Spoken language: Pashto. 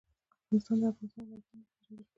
افغانستان د د افغانستان ولايتونه له مخې پېژندل کېږي.